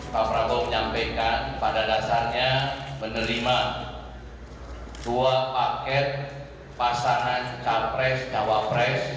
pak prabowo menyampaikan pada dasarnya menerima dua paket pasangan capres cawapres